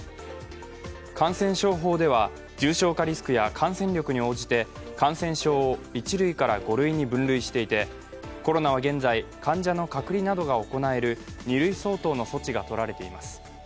感染症法では重症化リスクや感染力に応じて感染症を１類から５類に分類していて、コロナは現在、患者の隔離などが行える２類相当の措置がとられています。